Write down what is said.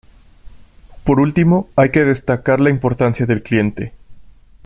Por último, hay que destacar la importancia del cliente.